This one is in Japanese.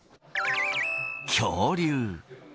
恐竜。